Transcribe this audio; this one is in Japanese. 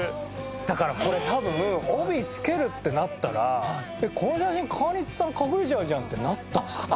だからこれ多分帯付けるってなったらこの写真川西さん隠れちゃうじゃんってなったんですかね？